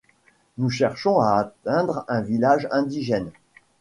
Nous cherchons à atteindre un village indigène.